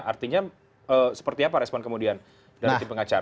artinya seperti apa respon kemudian dari tim pengacara